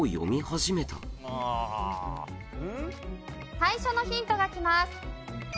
最初のヒントがきます。